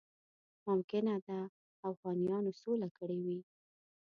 ممکنه ده اوغانیانو سوله کړې وي.